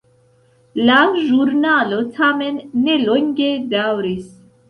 La ĵurnalo tamen ne longe daŭris.